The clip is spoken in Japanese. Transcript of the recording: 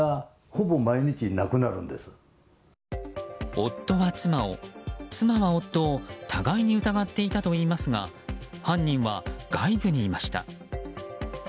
夫は妻を妻は夫を互いに疑っていたといいますが犯人は外部にいました。